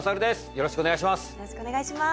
よろしくお願いします